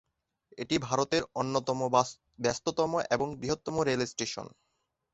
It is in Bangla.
এটি ভারতের অন্যতম ব্যস্ততম এবং বৃহত্তম রেল স্টেশন।